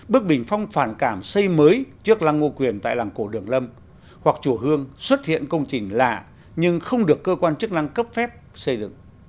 bức bình phong phản cảm xây mới trước lăng ngô quyền tại làng cổ đường lâm hoặc chùa hương xuất hiện công trình lạ nhưng không được cơ quan chức năng cấp phép xây dựng